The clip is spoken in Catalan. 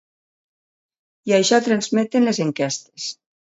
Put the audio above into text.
I això transmeten les enquestes.